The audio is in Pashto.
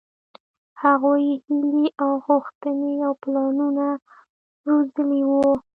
هغوۍ هيلې او غوښتنې او پلانونه روزلي وو.